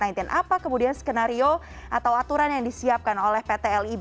apa kemudian skenario atau aturan yang disiapkan oleh pt lib